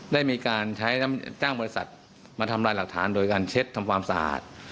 ได้มีการใช้จ้างบริษัทมาทำลายหลักฐานโดยการเช็ดทำความสะอาด